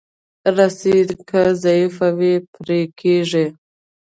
رسۍ که ضعیفه وي، پرې کېږي.